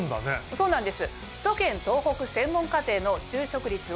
そうなんです。